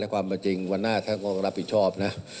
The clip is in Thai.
และความจริงวันหน้าก็รับผิดชอบนะ